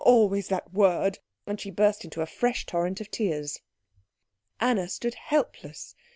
Always that word " And she burst into a fresh torrent of tears. Anna stood helpless.